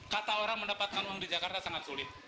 kata orang mendapatkan uang di jakarta sangat sulit